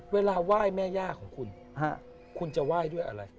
เวลาไหว้แม่ย่าของคุณคุณจะไหว้ด้วยอะไร